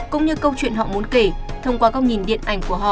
cũng như câu chuyện họ muốn kể thông qua góc nhìn điện ảnh của họ